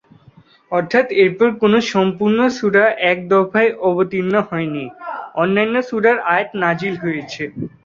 অর্থাৎ, এরপর কোন সম্পূর্ণ সূরা একদফায় অবতীর্ণ হয়নি, অন্যান্য সূরার আয়াত নাযিল হয়েছে।